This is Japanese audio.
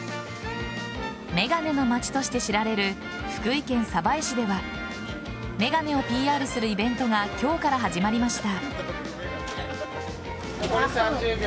眼鏡の街として知られる福井県鯖江市では眼鏡をＰＲするイベントが今日から始まりました。